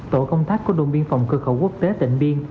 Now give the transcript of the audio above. tổ công tác của đồng biên phòng cơ khẩu quốc tế tỉnh biên